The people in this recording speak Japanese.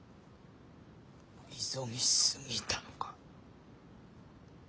急ぎすぎたのか？